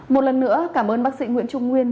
một lần nữa cảm ơn bác sĩ nguyễn trung nguyên